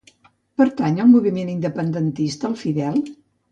Pertany al moviment independentista el Fidel?